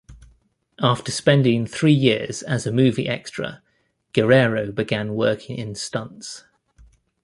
After spending three years as a movie extra, Guerrero began working in stunts.